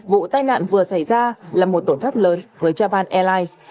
vụ tai nạn vừa xảy ra là một tổn thất lớn với japan airlines